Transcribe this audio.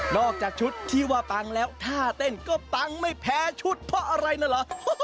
จากชุดที่ว่าปังแล้วท่าเต้นก็ปังไม่แพ้ชุดเพราะอะไรนะเหรอ